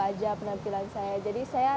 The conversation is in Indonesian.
aja penampilan saya jadi saya